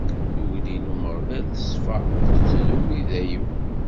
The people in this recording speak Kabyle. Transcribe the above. Tuggdi n Umeɣlal teṣfa, tettdum i dayem.